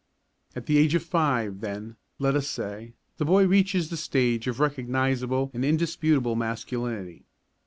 At the age of five, then, let us say, the boy reaches the stage of recognisable and indisputable masculinity.